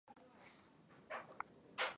Alianza kuimba tangu akiwa binti mdogo kabisa